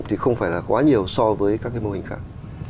thì không phải là quá nhiều so với các cái mô hình khác